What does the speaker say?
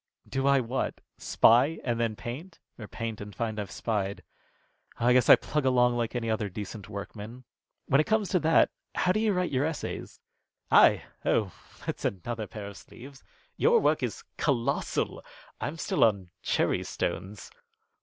"Do I what? Spy and then paint, or paint and find I've spied? Oh, I guess I plug along like any other decent workman. When it comes to that, how do you write your essays?" "I! Oh! That's another pair of sleeves. Your work is colossal. I'm still on cherry stones."